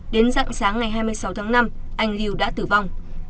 đến dặn sáng ngày hai mươi sáu tháng năm anh lưu đã tử vong